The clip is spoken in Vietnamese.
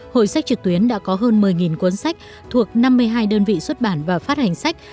hội sách trực tuyến đã có hơn một mươi cuốn sách thuộc năm mươi hai đơn vị xuất bản và phát hành sách